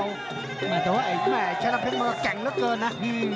หมายถึงว่าไอ้แม่ชนะเพชรมันก็แก่งเหลือเกินนะ